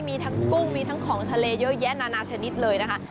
มีทั้งกุ้งมีทั้งของทะเลเยอะแยะนานาชนิดเลยนะคะ